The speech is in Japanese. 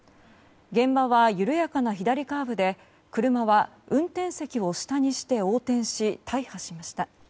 現場は緩やかな左カーブで車は運転席を下にして横転し大破しました。